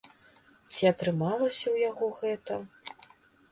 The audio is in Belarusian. Ці атрымалася ў яго гэта?